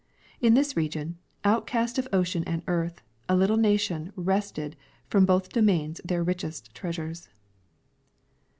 In this region, outcast of ocean and earth, a little nation wrested from both doinains their richest treasures.